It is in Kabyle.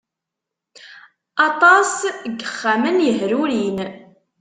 Aṭas n yexxamen yehrurin.